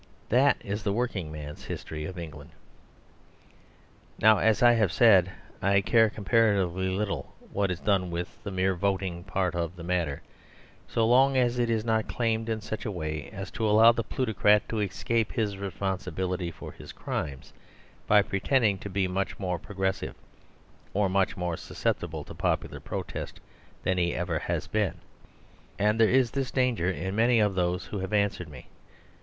That is The Working Man's History of England. Now, as I have said, I care comparatively little what is done with the mere voting part of the matter, so long as it is not claimed in such a way as to allow the plutocrat to escape his responsibility for his crimes, by pretending to be much more progressive, or much more susceptible to popular protest, than he ever has been. And there is this danger in many of those who have answered me.